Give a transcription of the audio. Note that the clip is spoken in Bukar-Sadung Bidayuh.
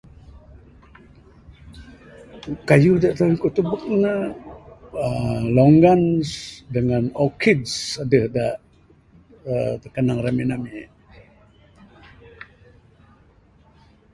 Keyuh dak tenan ku tubek nek aaa longan dengan Orkid adeh dak kanang aaa remin ami